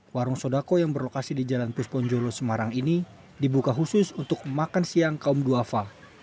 warung sodako yang berlokasi di jalan pusponjolo semarang ini dibuka khusus untuk makan siang kaum duafa